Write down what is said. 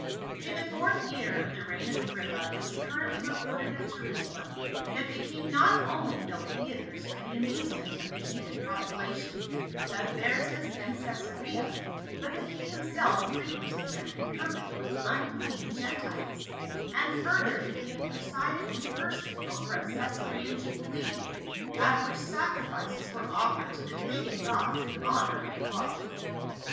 In the fourth year of the reign of Agrippa it was currently reported at Jerusalem that the king not only built theatres for the amusement of the heathen popu lation of Berytus and Caesarea, but that he himself frequented them in company with unclean Gentiles ; and further that he had presided in person over a Caesarean jubilee, at which sacrifices were offered to the pagan gods in honor of Claudius.